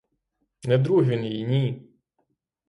Не друг він їй, ні!